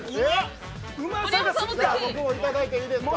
僕もいただいていいですか。